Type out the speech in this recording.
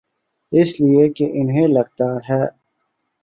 اس لئے کہ انہیں لگتا ہے۔